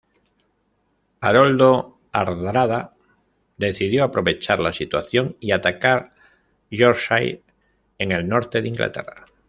Haroldo Hardrada decidió aprovechar la situación y atacar Yorkshire, en el norte de Inglaterra.